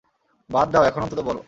বাদ দাও, এখন অন্তত বলো।